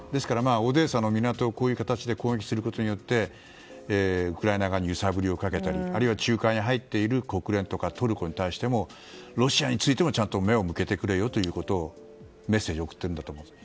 オデーサの港をこういう形で攻撃することによってウクライナ側に揺さぶりをかけたり仲介に入っている国連とかトルコに対してもロシアについてもちゃんと目を向けてくれよというメッセージを送っているんだと思います。